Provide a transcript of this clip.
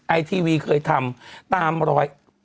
ไอทีวีเคยทำตามรอย